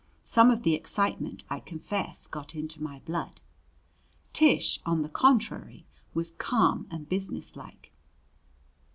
Some of the excitement, I confess, got into my blood. Tish, on the contrary, was calm and businesslike.